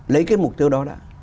lấy cái mục tiêu đó đã